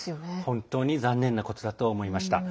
本当に残念なことだと思いました。